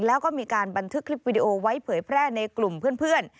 แล้วก็มีการบันทึกคลิปวิดีโอไว้เผยแพร่ในกลุ่มเพื่อน